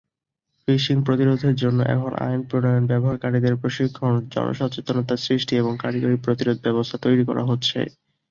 Fishing প্রতিরোধের জন্য এখন আইন প্রণয়ন, ব্যবহারকারীদের প্রশিক্ষণ, জনসচেতনতা সৃষ্টি, এবং কারিগরী প্রতিরোধ ব্যবস্থা তৈরি করা হচ্ছে।